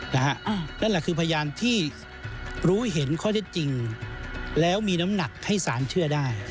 นั่นแหละคือพยานที่รู้เห็นข้อเท็จจริงแล้วมีน้ำหนักให้สารเชื่อได้